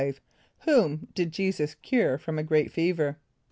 = Whom did J[=e]´[s+]us cure from a great fever?